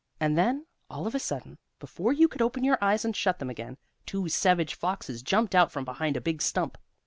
And then, all of a sudden, before you could open your eyes and shut them again, two savage foxes jumped out from behind a big stump.